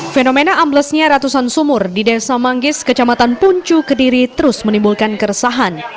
fenomena amblesnya ratusan sumur di desa manggis kecamatan puncu kediri terus menimbulkan keresahan